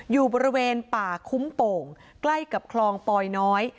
อยู่บริเวณป่าคุ้มโป่งใกล้กับคลองปอยน้อย